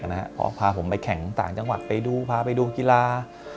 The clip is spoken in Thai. ออกพาผมไปแข่งต่างจังหวัดไปดูพาไปดูกีฬา